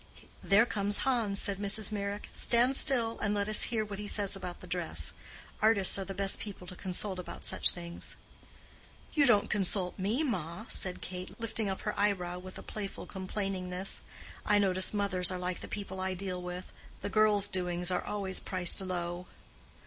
"There comes Hans," said Mrs. Meyrick. "Stand still, and let us hear what he says about the dress. Artists are the best people to consult about such things." "You don't consult me, ma," said Kate, lifting up her eyebrow with a playful complainingness. "I notice mothers are like the people I deal with—the girls' doings are always priced low."